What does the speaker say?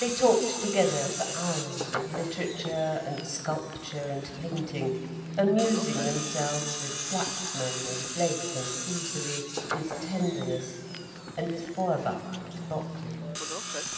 They talked together for hours, of literature and sculpture and painting, amusing themselves with Flaxman and Blake and Fuseli, with tenderness, and with Feuerbach and Böcklin.